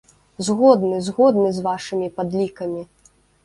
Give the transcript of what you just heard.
Згодны, згодны з вашымі падлікамі!